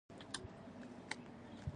چوکۍ د اورېدو ځای کې راحت ورکوي.